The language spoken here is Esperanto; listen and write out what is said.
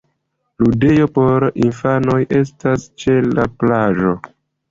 Ludejo por infanoj estas ĉe la plaĝo.